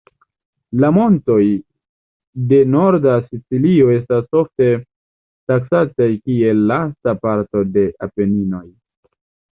La montoj de norda Sicilio estas ofte taksataj kiel lasta parto de Apeninoj.